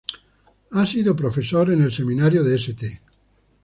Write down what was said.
Ha sido profesor en el Seminario de St.